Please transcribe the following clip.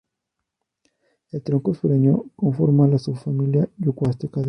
El tronco sureño conforma la subfamilia yuco-azteca del sur.